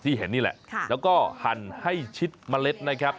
เห็นนี่แหละแล้วก็หั่นให้ชิดเมล็ดนะครับ